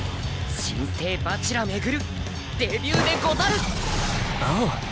新生蜂楽廻デビューでござる！